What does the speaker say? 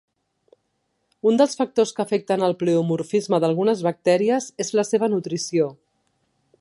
Un dels factors que afecten el pleomorfisme d'algunes bactèries es la seva nutrició.